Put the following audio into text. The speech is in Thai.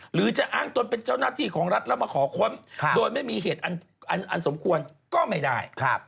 หรือจะอ้างตนเป็นเจ้าหน้าที่ของรัฐแล้วมาขอค้นโดยไม่มีเหตุอันสมควรก็ไม่ได้